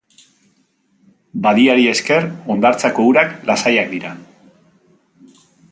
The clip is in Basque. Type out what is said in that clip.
Badiari esker, hondartzako urak lasaiak dira.